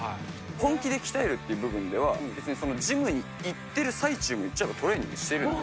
本気で鍛えるっていう部分では、ジムに行ってる最中も言っちゃえばトレーニングしているので。